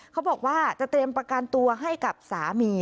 เขาบอกว่าจะเตรียมประกันตัวให้กับสามี